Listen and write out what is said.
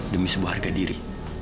demi sebuah harga diri